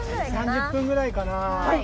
３０分くらいかな。